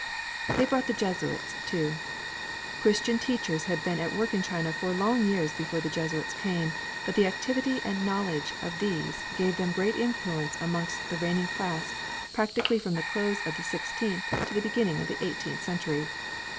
They brought the Jesuits too. Christian teachers had been at work in China for long years before the Jesuits came, but the activity and knowledge of these gave them great influence amongst the reigning class practically from the close of the sixteenth to the beginning of the eighteenth century.